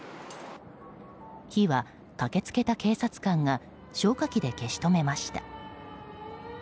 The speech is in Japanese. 火は駆けつけた警察官が消火器で消し止めました。